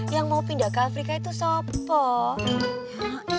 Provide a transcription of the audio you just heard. yang mau pindah ke afrika itu sopo